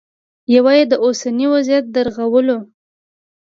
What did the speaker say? یوه یې د اوسني وضعیت د رغولو